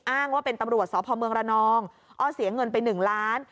อ้างว่าเป็นตำรวจสพรนอ้อเสียเงินไป๑ล้าน